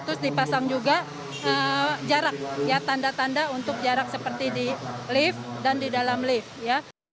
terus dipasang juga jarak ya tanda tanda untuk jarak seperti di lift dan di dalam lift ya